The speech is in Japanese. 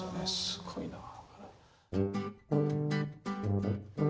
すごいなあ。